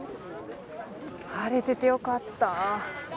晴れててよかった。